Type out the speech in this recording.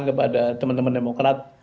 kepada teman teman demokrat